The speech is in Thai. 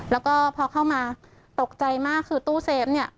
แล้วก็พอเข้ามาตกใจมากคือตู้เซฟเนี่ย